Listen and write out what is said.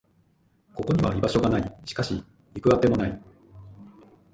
ここには居場所がない。しかし、行く当てもない。